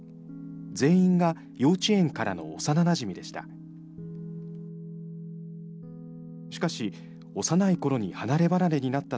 全員が幼稚園からの幼なじみでした。